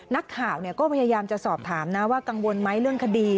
นักข่าวก็พยายามจะสอบถามนะว่ากังวลไหมเรื่องคดี